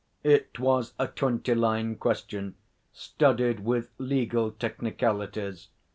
It was a twenty line question, studded with legal technicalities.